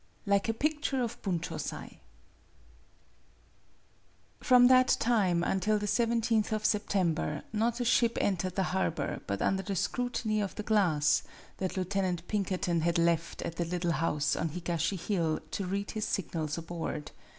XII LIKE A PICTURE OF BUNCHOSAI FROM that time until the seventeenth of Sep tember not a ship entered the harbor but under the scrutiny of the glass that Lieuten 68 MADAME BUTTERFLY ant Pinkerton had left at the little house on Higashi Hill to read his signals aboard.